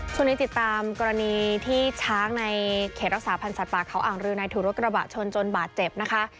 ช่วงนี้ติดตามกรณีที่ช้างในเขตรักษาพันธ์สัตว์เขาอ่างรือในถูกรถกระบะชนจนบาดเจ็บนะคะ